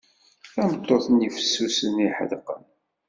Tameṭṭut-nni fessusen, iḥedqen.